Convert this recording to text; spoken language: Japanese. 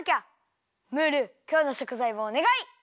ムールきょうのしょくざいをおねがい！